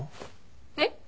えっ？